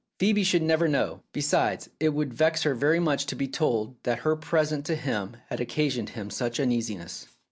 Phoebe should never know. Be sides, it would vex her very much to be told that her present to him had occasioned him such uneasiness.